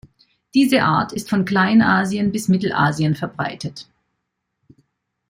Diese Art ist von Kleinasien bis Mittelasien verbreitet.